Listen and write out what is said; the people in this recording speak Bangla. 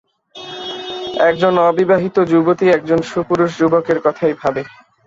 এক জন অবিবাহিত যুবতী এক জন সুপুরুষ যুবকের কথাই ভাবে।